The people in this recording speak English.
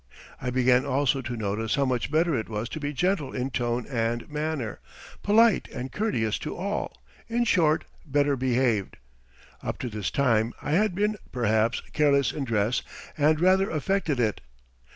I began also to notice how much better it was to be gentle in tone and manner, polite and courteous to all in short, better behaved. Up to this time I had been, perhaps, careless in dress and rather affected it.